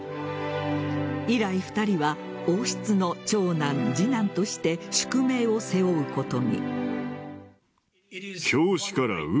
以来、２人は王室の長男、次男として宿命を背負うことに。